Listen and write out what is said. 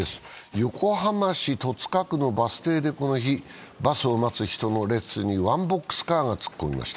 横浜市戸塚区のバス停でこの日、バスを待つ人の列にワンボックスカーが突っ込みました。